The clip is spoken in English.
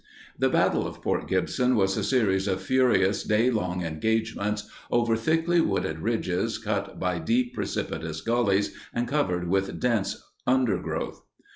The battle of Port Gibson was a series of furious day long engagements over thickly wooded ridges cut by deep, precipitous gullies and covered with dense undergrowth.